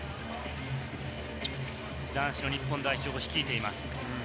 男子の日本代表を率いています。